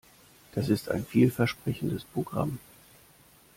Das ist ein vielversprechendes Programm.